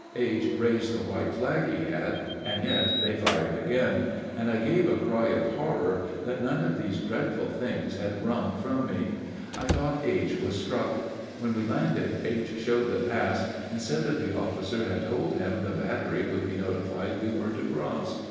H. raised the white flag he had, yet they fired again, and I gave a cry of horror that none of these dreadful things had wrung from me. I thought H. was struck. When we landed H. showed the pass, and said that the officer had told him the battery would be notified we were to cross.